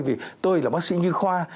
vì tôi là bác sĩ như khoa